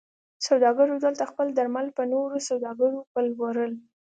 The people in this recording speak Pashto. سوداګرو دلته خپل درمل پر نورو سوداګرو پلورل.